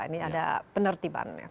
ini ada penertiban